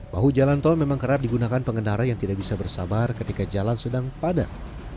bahu jalan tol memang kerap digunakan pengendara yang tidak bisa bersabar ketika jalan sedang padat